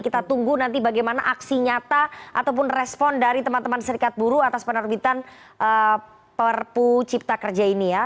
kita tunggu nanti bagaimana aksi nyata ataupun respon dari teman teman serikat buru atas penerbitan prp cipta kerja ini ya